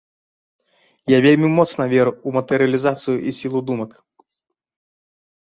Я вельмі моцна веру ў матэрыялізацыю і сілу думак.